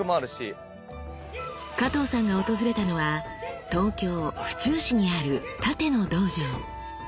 加藤さんが訪れたのは東京・府中市にある殺陣の道場。